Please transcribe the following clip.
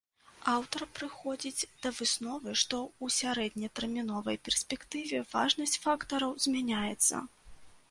Аўтар прыходзіць да высновы, што ў сярэднетэрміновай перспектыве важнасць фактараў змяняецца.